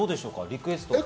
リクエストは。